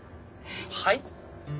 はい？